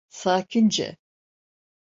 Sakince.